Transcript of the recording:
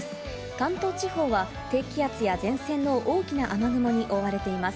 関東地方は低気圧や前線の大きな雨雲に覆われています。